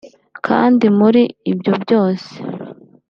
Kandi muri ibyo byose